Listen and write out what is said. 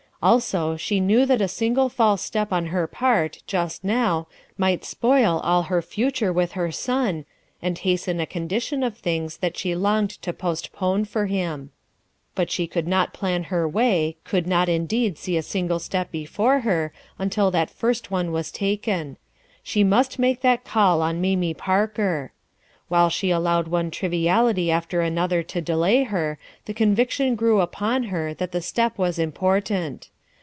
Also, she knew that a single false step on her part, just now, might spoil all her 40 RUTH ERSKINE'S SON future with her eon and hasten a condition f things that she longed to postpone for him But she could not plan her way, could not ha_ deed see a single step before her until that fi rst one was taken: she must make that call on Mamie Parker. While she allowed one triviality after another to delay her, the conviction g rew upon her that the step was important.